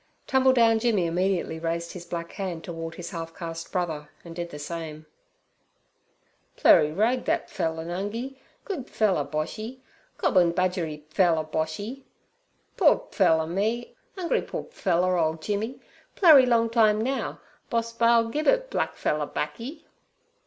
Tumbledown Jimmy immediately raised his black hand towards his half caste brother and did the same. 'Plurry rogue that pfeller Nungi; good pfeller Boshy. Cobbon budgeree pfeller Boshy' (whining); 'poor pfeller me, 'ungry poor pfeller ole Jimmy. Plurry long time now, Boss baal gib it black pfeller baccy.'